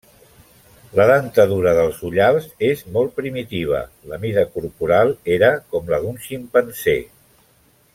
La dentadura dels ullals és molt primitiva, la mida corporal era com la d'un ximpanzé.